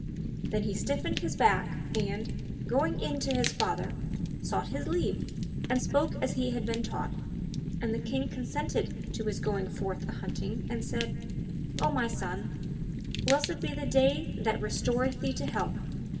Then he stiffened his back and, going in to his father, sought his leave and spoke as he had been taught, and the King consented to his going forth a hunting and said, "O my son, blessed be the day that restoreth thee to health!